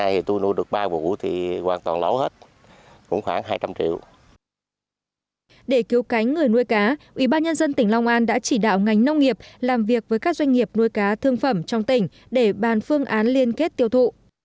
để cứu cánh người nuôi cá ubnd tỉnh long an đã chỉ đạo ngành nông nghiệp làm việc với các doanh nghiệp nuôi cá thương phẩm trong tỉnh để bàn phương án liên kết tiêu thụ